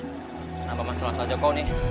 kenapa masalah saja kok nih